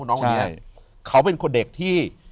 น้องคนนี้เขาเป็นคนเด็กที่